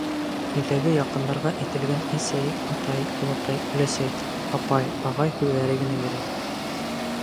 Өйҙәге яҡындарға әйтелгән әсәй, атай, олатай, өләсәй, апай, ағай һүҙҙәре генә йөрөй.